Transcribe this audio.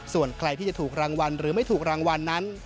ส่วนใครที่จะถูกรางวัลหรือไม่ถูกรางวัลนั้น